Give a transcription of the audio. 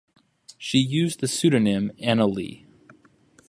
She used the pseudonym "Anna Li".